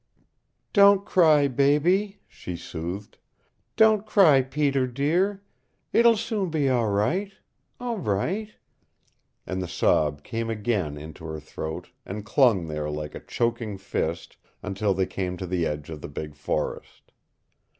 "Don't cry, baby," she soothed. "Don't cry, Peter, dear. It'll soon be all right all right " And the sob came again into her throat, and clung there like a choking fist, until they came to the edge of the big forest.